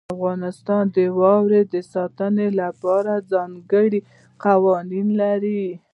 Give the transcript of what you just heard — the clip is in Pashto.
افغانستان د واورې د ساتنې لپاره ځانګړي قوانین لري.